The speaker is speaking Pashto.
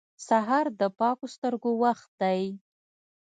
سهار د پاکو سترګو وخت دی.